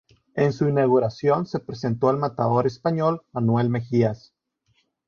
En su inauguración se presentó el matador español Manuel Mejías.